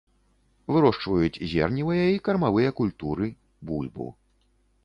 Вырошчваюць зерневыя і кармавыя культуры, бульбу.